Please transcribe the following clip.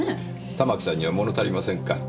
たまきさんには物足りませんか？